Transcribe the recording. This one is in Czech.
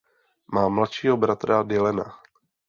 Má mladšího bratra Dylana.